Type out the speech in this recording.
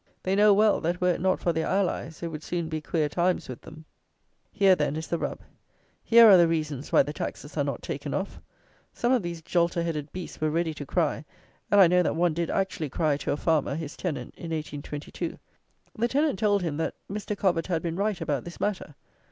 They know well, that were it not for their allies, it would soon be queer times with them. Here, then, is the rub. Here are the reasons why the taxes are not taken off! Some of these jolterheaded beasts were ready to cry, and I know one that did actually cry to a farmer (his tenant) in 1822. The tenant told him, that "Mr. Cobbett had been right about this matter."